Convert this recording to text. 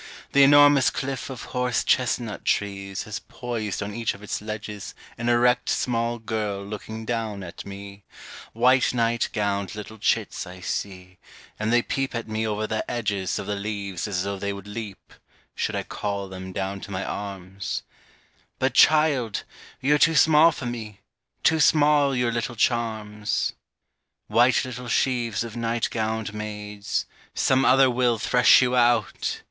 The enormous cliff of horse chestnut trees Has poised on each of its ledges An erect small girl looking down at me; White night gowned little chits I see, And they peep at me over the edges Of the leaves as though they would leap, should I call Them down to my arms; "But, child, you're too small for me, too small Your little charms." White little sheaves of night gowned maids, Some other will thresh you out!